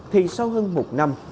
thì sau hơn một năm